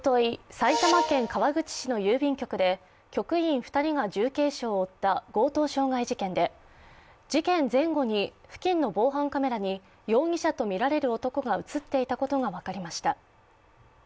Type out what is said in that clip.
埼玉県川口市の郵便局で局員２人が重軽傷を負った強盗傷害事件で事件前後に付近の防犯カメラに容疑者とみられる男が映っていたことが分かりました。